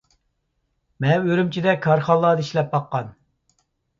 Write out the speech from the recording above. مەن ئۈرۈمچىدە كارخانىلاردا ئىشلەپ باققان.